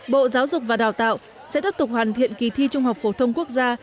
bộ giáo dục và đào tạo sẽ tiếp tục hoàn thiện kỳ thi trung học phổ thông quốc gia